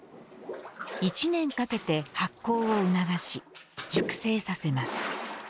１年かけて発酵を促し熟成させます。